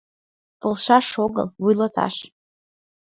— Полшаш огыл — вуйлаташ.